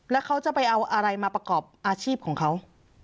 แล้วเขาจะไปเอาอะไรมาประกอบอาชีพของเขา